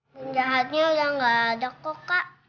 penjahatnya sudah tidak ada kok kak